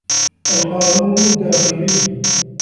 القانون الداخلي